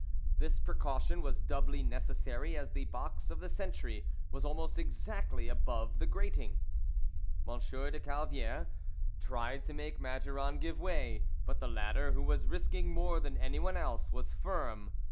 This precaution was doubly necessary as the box of the sentry was almost exactly above the grating. M. de Calviere tried to make Maduron give way; but the latter, who was risking more than anyone else, was firm.